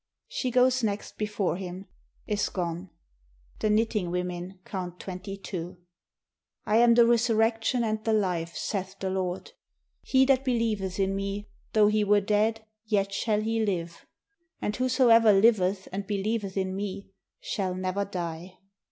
She goes next before him — is gone; the knitting women count Twenty two. "I am the Resurrection and the Life, saith the Lord: he that believe th in me, though he were dead, yet shall he live: and whosoever liveth and believeth in me, shall never die."